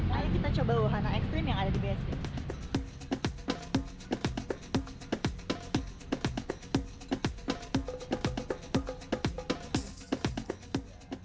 lalu kita coba wahana ekstrim yang ada di bsd